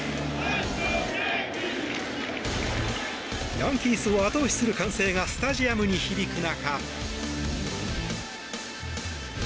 ヤンキースを後押しする歓声がスタジアムに響く中。